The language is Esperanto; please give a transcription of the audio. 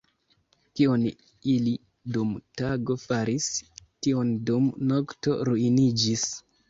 Kion ili dum tago faris, tio dum nokto ruiniĝis.